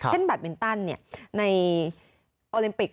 แบตมินตันในโอลิมปิก